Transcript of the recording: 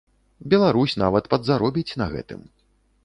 Беларусь нават падзаробіць на гэтым.